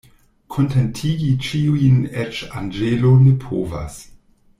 Kontentigi ĉiujn eĉ anĝelo ne povas.